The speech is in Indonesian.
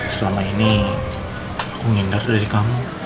selama ini aku ngindar dari kamu